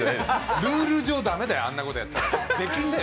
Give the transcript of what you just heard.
ルール上駄目だよ、あんなことやったら、出禁だよ。